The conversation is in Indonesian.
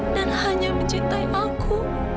dan hanya mencintai aku